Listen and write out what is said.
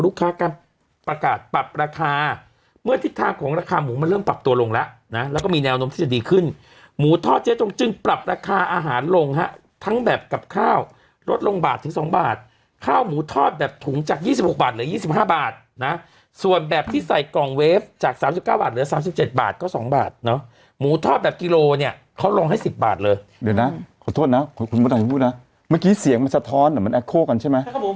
ลูกค้าการประกาศปรับราคาเมื่อที่ทางของราคาหมูมันเริ่มปรับตัวลงแล้วนะแล้วก็มีแนวนมที่จะดีขึ้นหมูทอดเจ๊ต้มจึงปรับราคาอาหารลงฮะทั้งแบบกับข้าวลดลงบาทถึงสองบาทข้าวหมูทอดแบบถุงจากยี่สิบหกบาทหรือยี่สิบห้าบาทนะส่วนแบบที่ใส่กล่องเวฟจากสามสิบเก้าบาทหรือสามสิ